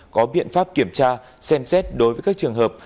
có biện pháp kiểm tra xem xét đối với các trường hợp